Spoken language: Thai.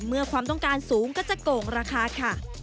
ความต้องการสูงก็จะโกงราคาค่ะ